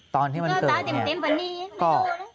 ตอนที่มันเกิดนี่ก็